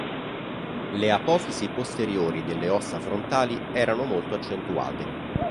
Le apofisi posteriori delle ossa frontali erano molto accentuate.